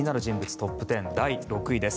トップ１０、第６位です。